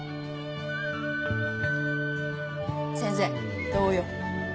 先生どうよ？